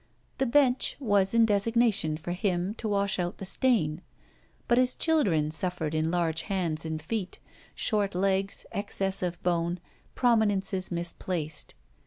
The Bench was in designation for him to wash out the stain, but his children suffered in large hands and feet, short legs, excess of bone, prominences misplaced.